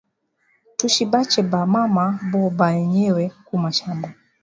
Tushi bache ba mama bo benyewe ku mashamba